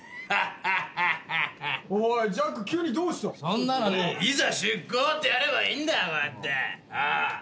そんなのはいざ出航ってやればいいんだよこうやって。